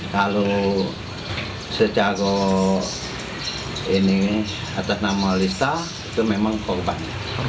kalau secago ini atas nama lista itu memang korban